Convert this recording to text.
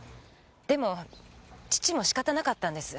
でも父も仕方なかったんです。